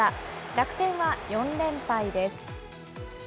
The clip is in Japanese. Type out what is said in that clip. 楽天は４連敗です。